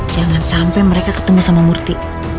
jangan sampai mereka ketemu sama murti